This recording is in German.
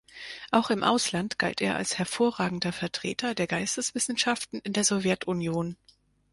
Auch im Ausland galt er als hervorragender Vertreter der Geisteswissenschaften in der Sowjetunion.